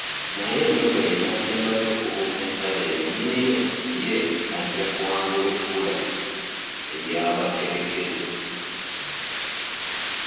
Naye endogoyi enaasembayo okubuuka ensalo eyo nnyini yo ye ajja okuwangula ekkula ly’abategekedde.